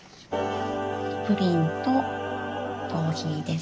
プリンとコーヒーです。